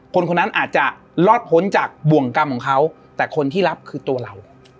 คนคนนั้นอาจจะรอดพ้นจากบ่วงกรรมของเขาแต่คนที่รับคือตัวเรา